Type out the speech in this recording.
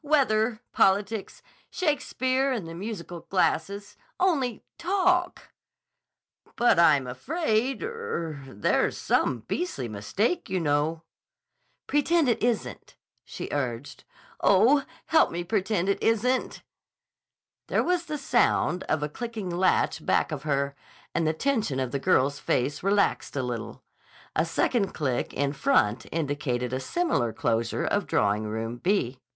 Weather. Politics. 'Shakespeare and the musical glasses.' Only, talk!" "But I'm afraid—er—there's some beastly mistake, you know." "Pretend it isn't," she urged. "Oh, help me pretend it isn't." There was the sound of a clicking latch back of her, and the tension of the girl's face relaxed a little. A second click in front indicated a similar closure of Drawing Room B.